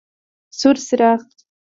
سور څراغ: